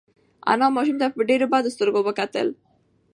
انا ماشوم ته په ډېرو بدو سترګو وکتل.